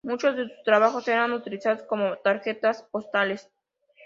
Muchos de sus trabajos eran utilizados como tarjetas postales.